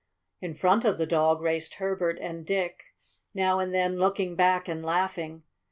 In front of the dog raced Herbert and Dick, now and then looking back and laughing.